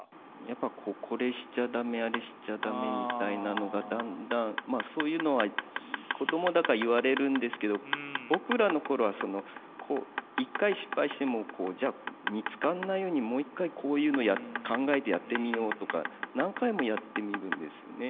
やっぱこれしちゃダメあれしちゃダメみたいなのがだんだんそういうのは子供だから言われるんですけど僕らの頃は一回失敗してもじゃあ見つからないようにもう一回こういうの考えてやってみようとか何回もやってみるんですよね。